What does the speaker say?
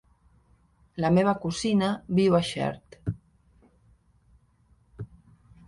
La meva cosina viu a Xert.